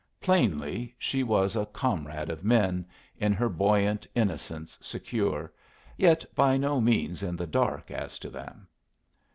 Plainly she was a comrade of men, in her buoyant innocence secure, yet by no means in the dark as to them.